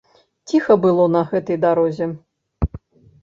Ціха было на гэтай дарозе.